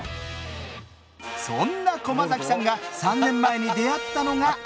そんな駒崎さんが３年前に出会ったのが。